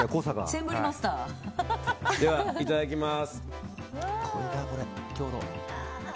では、いただきます。